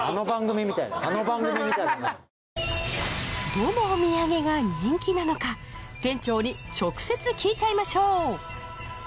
どのお土産が人気なのか店長に直接聞いちゃいましょう！